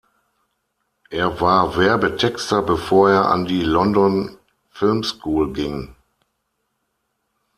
Er war Werbetexter, bevor er an die London Film School ging.